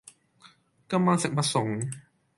今晚食乜餸